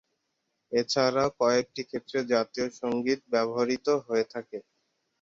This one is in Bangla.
এছাড়াও কয়েকটি ক্ষেত্রে জাতীয় সংগীত ব্যবহৃত হয়ে থাকে।